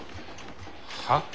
はっ？